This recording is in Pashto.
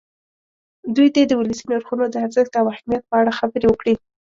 دوی دې د ولسي نرخونو د ارزښت او اهمیت په اړه خبرې وکړي.